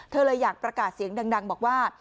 เธอเลยอยากประกาศเสียงดังบอกว่า